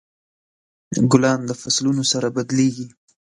ګلان د فصلونو سره بدلیږي.